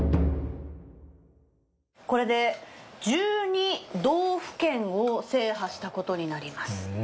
コレで１２道府県を制覇したコトになります。